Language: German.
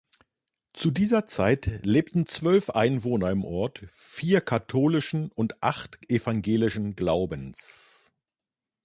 Zu dieser Zeit lebten zwölf Einwohner im Ort, vier katholischen und acht evangelischen Glaubens.